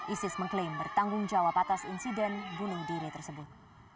isis mengklaim bertanggung jawab atas insiden bunuh diri tersebut